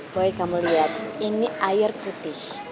boy kamu lihat ini air putih